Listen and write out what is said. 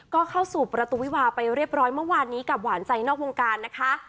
ก็เข้าสู่ประตูวิวาไปเรียบร้อยเมื่อวานนี้กับหวานใจนอกวงการนะคะ